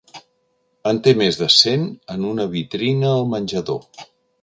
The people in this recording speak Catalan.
En té més de cent en una vitrina al menjador.